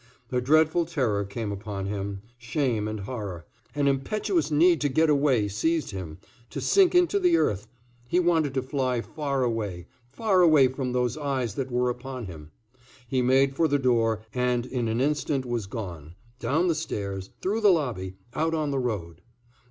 A dreadful terror came upon him, shame and horror, an impetuous need to get away seized him, to sink into the earth; he wanted to fly far away, far away from those eyes that were upon him. He made for the door and in an instant was gone, down the stairs, through the lobby, out on the road.